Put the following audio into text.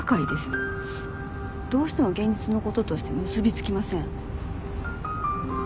どうしても現実の事として結びつきません。